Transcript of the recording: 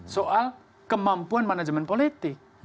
soal kemampuan manajemen politik